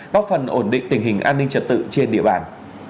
góp phần ổn định tình hình an ninh trật tự trên địa bàn